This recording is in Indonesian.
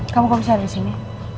kamu kok bisa ada disini